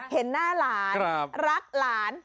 เห็นหน้าหลานรักหลาน